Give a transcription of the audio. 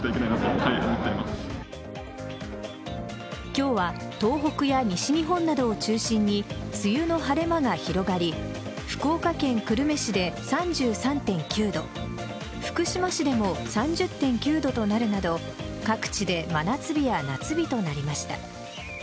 今日は東北や西日本などを中心に梅雨の晴れ間が広がり福岡県久留米市で３３．９度福島市でも３０．９度となるなど各地で真夏日や夏日となりました。